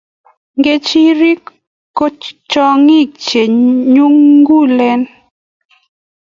nchirenik ko chong'ik che nyolkulen